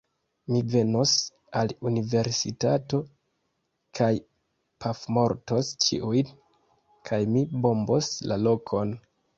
Mi venos al universitato kaj pafmortos ĉiujn kaj mi bombos la lokon